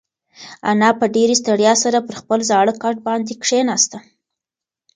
انا په ډېرې ستړیا سره پر خپل زاړه کټ باندې کښېناسته.